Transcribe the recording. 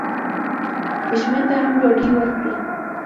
دښمن ته هم ډوډۍ ورکړئ